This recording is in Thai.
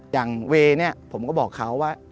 อย่างเวย์เนี่ยผมก็บอกเขาว่า